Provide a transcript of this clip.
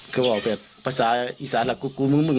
แต่ตอนเศร้าผมก็ทะเลาะกันแล้วละลูกมันแยกออก